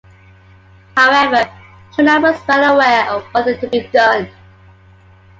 However, Putnam was well aware of what needed to be done.